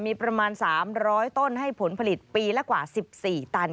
มีประมาณ๓๐๐ต้นให้ผลผลิตปีละกว่า๑๔ตัน